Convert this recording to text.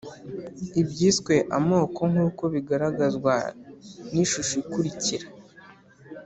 ibyiswe amoko nkuko bigaragazwa nishusho ikurikira